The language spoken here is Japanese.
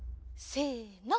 せの。